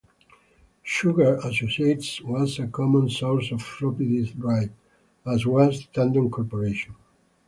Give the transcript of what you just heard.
Shugart Associates was a common source of floppy disk drives, as was Tandon Corporation.